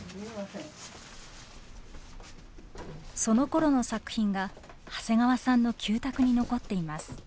そのころの作品が長谷川さんの旧宅に残っています。